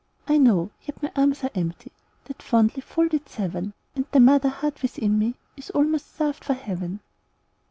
I know, yet my arms are empty, That fondly folded seven, And the mother heart within me Is almost starved for heaven.